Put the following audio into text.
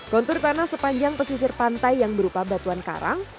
kontur tanah sepanjang pesisir pantai yang berupa batuan karang